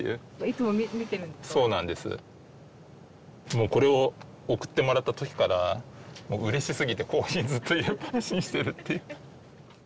もうこれを送ってもらった時からうれしすぎてここにずっと入れっぱなしにしてるっていう。